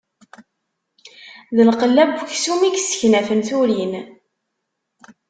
D lqella n uksum i yesseknafen turin.